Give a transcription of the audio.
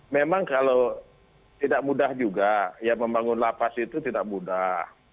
memang kalau tidak mudah juga ya membangun lapas itu tidak mudah